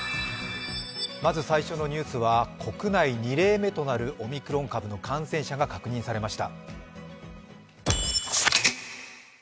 まず最初のニュースは国内２例目となるオミクロン株感染者が確認されました。